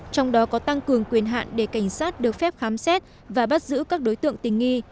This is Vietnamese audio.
trong đó có tăng cường quyền hạn để cảnh sát được phép khám xét và bắt giữ các đối tượng tình nghi